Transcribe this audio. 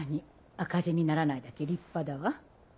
赤字にならないだけ立派だわ。